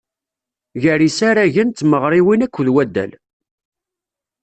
Gar yisaragen d tmeɣriwin akked waddal.